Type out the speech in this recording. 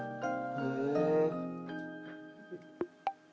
へえ！」